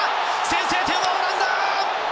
先制点はオランダ！